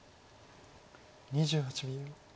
２８秒。